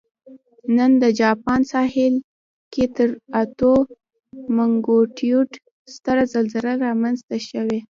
نن د جاپان ساحل کې تر اتو مګنیټیوډ ستره زلزله رامنځته شوې